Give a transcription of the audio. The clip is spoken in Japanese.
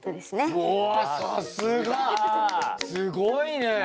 すごいね。